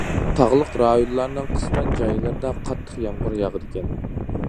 تاغلىق رايونلارنىڭ قىسمەن جايلىرىدا قاتتىق يامغۇر ياغىدىكەن.